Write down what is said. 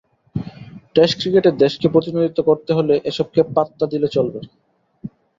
Test ক্রিকেটে দেশকে প্রতিনিধিত্ব করতে হলে এসবকে পাত্তা দিলে চলবে না।